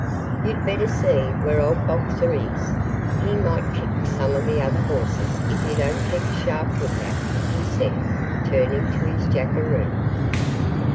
"You'd better see where old Boxer is. He might kick some of the other horses if you don't keep a sharp look out," he said, turning to his jackeroo.